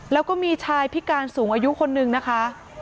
แล้วก็มีชายพิการสูงอายุคนนึงนะคะ